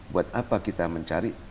buat apa kita mencari